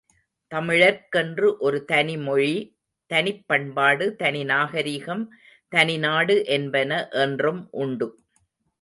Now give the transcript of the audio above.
தமிழர்க்கென்று ஒரு தனிமொழி, தனிப்பண்பாடு, தனி நாகரிகம், தனிநாடு என்பன என்றும் உண்டு.